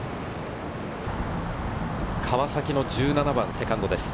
川崎の１７番、セカンドです。